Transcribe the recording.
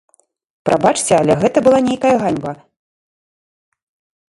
Прабачце, але гэта была нейкая ганьба!